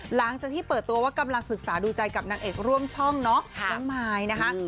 หลังจากที่เปิดตัวว่ากำลังศึกษาดูใจกับนางเอกร่วมช่องเนาะน้องมายนะคะ